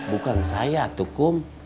bukan saya atukum